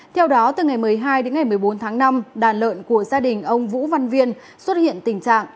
theo đó từ ngày một mươi hai đến ngày một mươi bốn tháng năm đàn lợn của gia đình ông vũ văn viên xuất hiện tình trạng